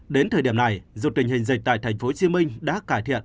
đến thời điểm này dù tình hình dịch tại thành phố hồ chí minh đã cải thiện